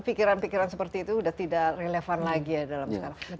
pikiran pikiran seperti itu sudah tidak relevan lagi ya dalam sekarang